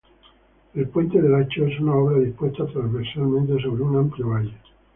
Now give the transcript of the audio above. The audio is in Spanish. El Puente del Hacho, es una obra dispuesta transversalmente sobre un amplio valle.